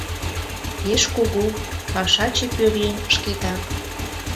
Еш кугу, пашаче пӧръеҥ шкетак.